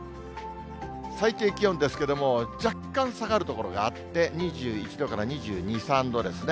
最低気温ですけども、若干下がる所があって、２１度から２２、３度ですね。